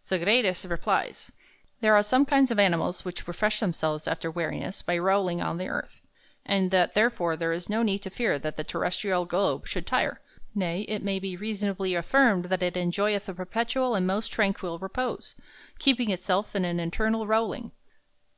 Sagredus replies: "There are some kinds of animals which refresh themselves after wearinesse by rowling on the earth; and that therefore there is no need to fear that the Terrestrial Globe should tire, nay, it may be reasonably affirmed that it enjoyeth a perpetual and most tranquil repose, keeping itself in an eternal rowling."